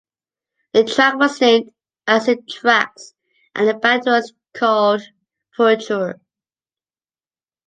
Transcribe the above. The track was named "Acid Tracks", and the band was called Phuture.